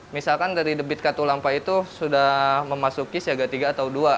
misalkan dari debit katulampa itu sudah memasuki siaga tiga atau dua